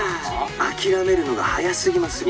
「諦めるのが早すぎますよ」